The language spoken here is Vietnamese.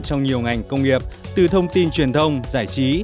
trong nhiều ngành công nghiệp từ thông tin truyền thông giải trí